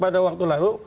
pada waktu lalu